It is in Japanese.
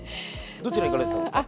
どちら行かれてたんですか？